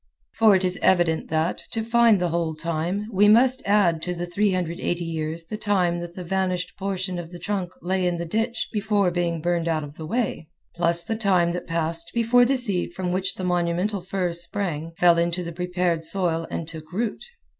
For it is evident that, to find the whole time, we must add to the 380 years the time that the vanished portion of the trunk lay in the ditch before being burned out of the way, plus the time that passed before the seed from which the monumental fir sprang fell into the prepared soil and took root.